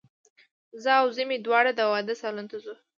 زه او زوی مي دواړه د واده سالون ته ځو